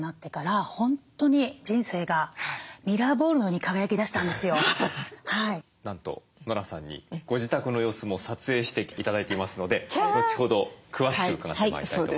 片づけられなかったんですけどなんとノラさんにご自宅の様子も撮影して頂いていますので後ほど詳しく伺ってまいりたいと思います。